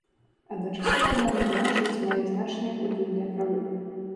Адначасова моўная меншасць мае значныя культурныя правы.